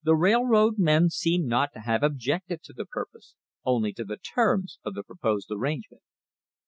* The railroad men seem not to have objected to the purpose, only to the terms of the proposed arrangement.